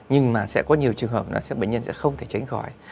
nhưng mà sẽ có nhiều trường hợp là bệnh nhân sẽ không thể tránh khỏi